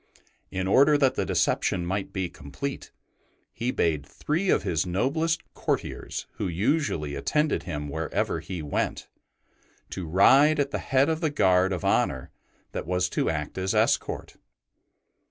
In order that the deception might be complete, he bade three of his noblest courtiers who usually attended him wherever he went, to ride at the head of the guard of honour that was to act as escort.